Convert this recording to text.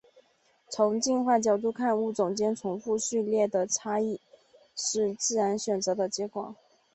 从进化角度看物种间重复序列的差异是自然选择的结果。